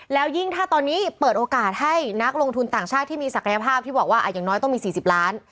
แล้วยิ่งถ้าตอนนี้เปิดโอกาสให้นักลงทุนต่างชาติที่มีศักยภาพที่บอกว่าอย่างน้อยต้องมี๔๐ล้าน